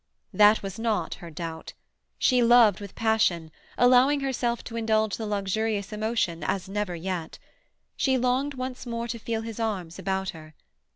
That was not her doubt. She loved with passion, allowing herself to indulge the luxurious emotion as never yet. She longed once more to feel his arms about her.